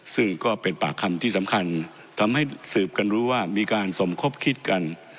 ซึ่งก็เป็นปากคำที่สำคัญทำให้สืบกันรู้ว่ามีการสมคบคิดกัน